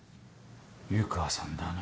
湯川さんだな。